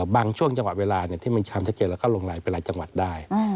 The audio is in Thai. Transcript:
บางช่วงจังหวะเวลาที่มันความชัดเจนแล้วก็ลงลายไปหลายจังหวัดได้